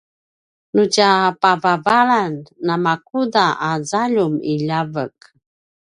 nu tja pavavalan namakuda a zaljum i ljavek?